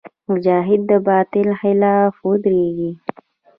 مجاهد د باطل خلاف ودریږي.